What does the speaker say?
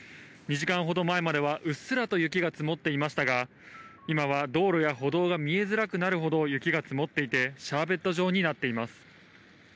２時間ほど前までは、うっすらと雪が積もっていましたが、今は道路や歩道が見えづらくなるほど、雪が積もっていて、シャーベット状になっています。